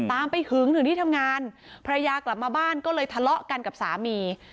ตามไปหึงถึงที่ทำงานภรรยากลับมาบ้านก็เลยทะเลาะกันกับสามี